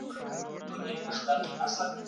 په بله ژبه لیکل کمال